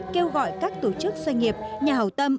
kêu gọi các tổ chức doanh nghiệp nhà hảo tâm